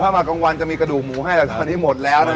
ถ้ามากลางวันจะมีกระดูกหมูให้แต่ตอนนี้หมดแล้วนะฮะ